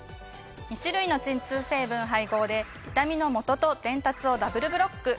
２種類の鎮痛成分配合で痛みのもとと伝達をダブルブロック。